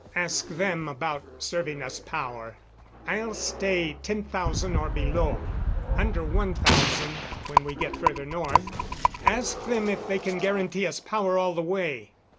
"Ask them about serving us power; I'll stay 10,000 or below. Under one thousand, when we get further north. Ask them if they can guarantee us power all the way."